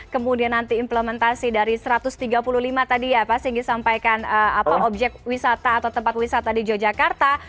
kemudian nanti implementasi dari satu ratus tiga puluh lima tadi ya pak singgi sampaikan objek wisata atau tempat wisata di yogyakarta